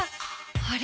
あれ？